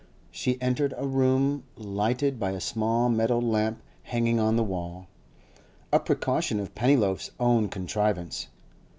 She entered a room lighted by a small metal lamp hanging on the wall—a precaution of Pennyloaf's own contrivance.